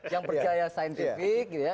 yang percaya saintifik gitu ya